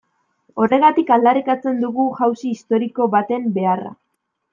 Horregatik aldarrikatzen dugu jauzi historiko baten beharra.